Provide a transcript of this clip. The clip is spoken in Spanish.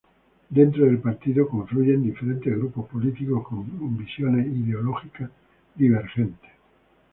Dentro del partido confluyen diferentes grupos políticos con visiones ideológicas divergentes.